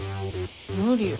無理よ。